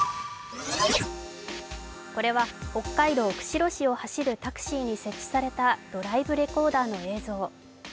これは北海道釧路市を走るタクシーに設置されたドライブレコーダーの映像。